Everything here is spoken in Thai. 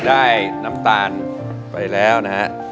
น้ำตาลไปแล้วนะฮะ